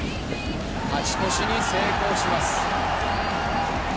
勝ち越しに成功します。